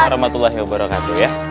warahmatullahi wabarakatuh ya